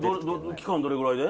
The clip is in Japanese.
期間どれくらいで？